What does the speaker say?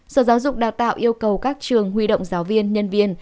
sở giáo dục đào tạo yêu cầu các trường huy động giáo viên nhân viên